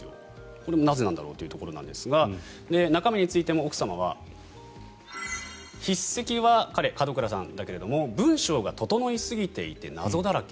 これもなぜなんだろうというところなんですが中身についても奥様は筆跡は彼、門倉さんだけれども文章が整いすぎていて謎だらけ。